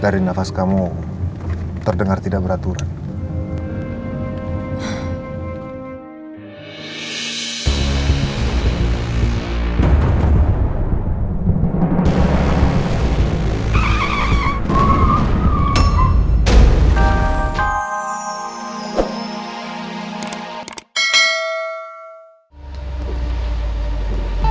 dari nafas kamu terdengar tidak beraturan